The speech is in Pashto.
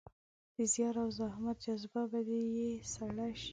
د زیار او زحمت جذبه به يې سړه شي.